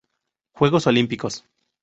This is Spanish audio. Juegos Olímpicos